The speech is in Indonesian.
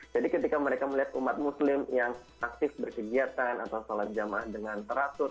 ketika mereka melihat umat muslim yang aktif berkegiatan atau sholat jamaah dengan teratur